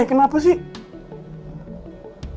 eh kenapa sih